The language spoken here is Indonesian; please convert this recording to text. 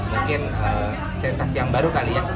mungkin sensasi yang baru kali ya